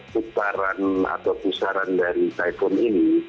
putaran atau pusaran dari typhone ini